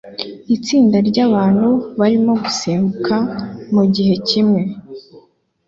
Itsinda ryabantu barimo gusimbuka mugihe kimwe